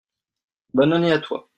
bonne année à toi.